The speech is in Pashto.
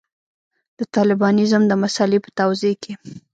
د طالبانیزم د مسألې په توضیح کې.